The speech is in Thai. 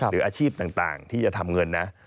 หรืออาชีพต่างที่จะทำเงินนะ